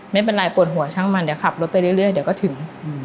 ไม่เป็นไรปวดหัวช่างมันเดี๋ยวขับรถไปเรื่อยเดี๋ยวก็ถึง